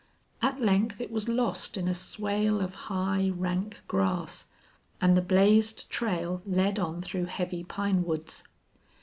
At length it was lost in a swale of high, rank grass, and the blazed trail led on through heavy pine woods.